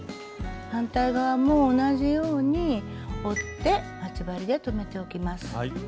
反対側も同じように折って待ち針で留めておきます。